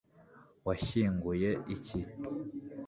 washyinguye iki